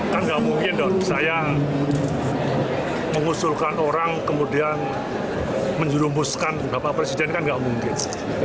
kan nggak mungkin dong saya mengusulkan orang kemudian menjerumuskan bapak presiden kan gak mungkin